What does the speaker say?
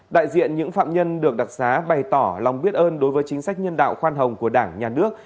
đại diện những phạm nhân được đặc giá bày tỏ lòng biết ơn đối với chính sách nhân đạo khoan hồng của đảng nhà nước